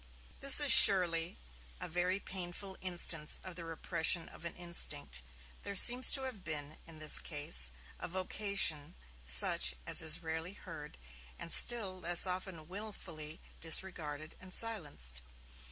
This is, surely, a very painful instance of the repression of an instinct. There seems to have been, in this case, a vocation such as is rarely heard, and still less often wilfully disregarded and silenced.